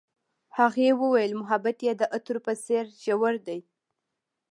هغې وویل محبت یې د عطر په څېر ژور دی.